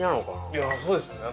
いやそうですね